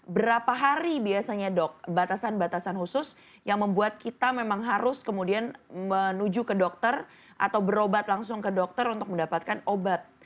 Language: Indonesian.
berapa hari biasanya dok batasan batasan khusus yang membuat kita memang harus kemudian menuju ke dokter atau berobat langsung ke dokter untuk mendapatkan obat